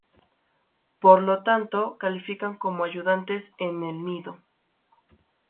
Por lo tanto, califican como ayudantes en el nido.